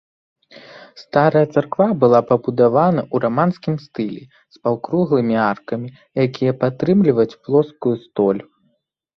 Старая царква была пабудавана ў раманскім стылі з паўкруглымі аркамі, якія падтрымліваюць плоскую столь.